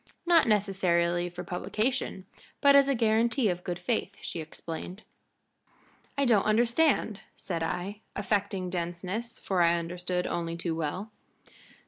Not necessarily for publication, but as a guarantee of good faith," she explained. "I don't understand," said I, affecting denseness, for I understood only too well.